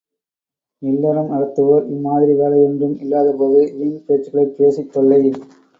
இல்லறம் நடத்துவோர் இம்மாதிரி வேலையொன்றும் இல்லாதபோது வீண் பேச்சுக்களைப் பேசித் தொல்லை.